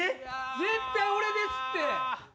絶対俺ですって！